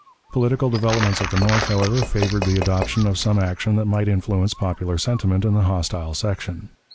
Political developments at the North, however, favored the adoption of some action that might influence popular sentiment in the hostile section.